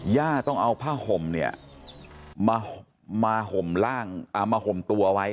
ย่าต้องเอาผ้าห่มมาห่มตัวไว้